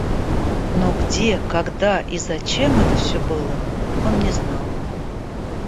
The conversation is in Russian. Но где, когда и зачем это все было, он не знал.